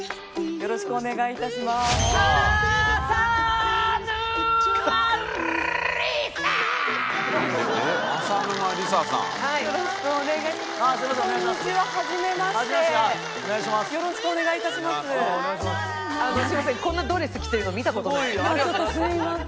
よろしくお願いします。